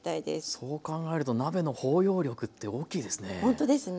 そう考えると鍋の包容力って大きいですね。